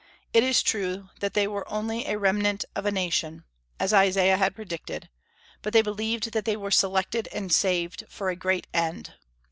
It is true that they were only a "remnant" of the nation, as Isaiah had predicted, but they believed that they were selected and saved for a great end.